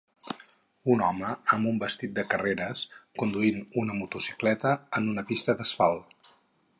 Un home amb un vestit de carreres, conduint una motocicleta en una pista d'asfalt.